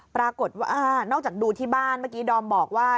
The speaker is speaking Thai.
ปรากฏว่านอกจากดูที่บ้านเมื่อกี้ดอมบอกว่า